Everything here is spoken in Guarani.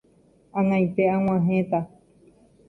Ag̃aite ag̃uahẽta.